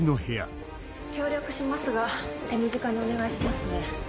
協力しますが手短にお願いしますね。